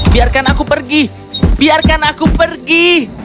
biarkan aku pergi biarkan aku pergi